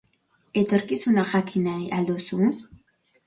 Etorkizuna jakin nahi al duzu?